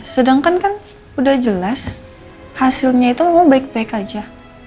sedangkan kan udah jelas hasilnya itu memang baik baik aja